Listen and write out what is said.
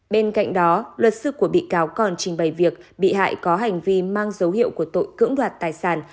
bên cạnh đó luật sư của bị cáo còn trình bày việc bị hại có hành vi mang dấu hiệu của tội cưỡng đoạt tài sản